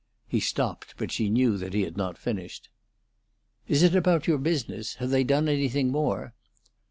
He stopped, but she knew that he had not finished. "Is it about your business? Have they done anything more?"